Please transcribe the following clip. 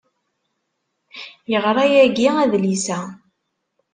Yeɣra yagi adlis-a.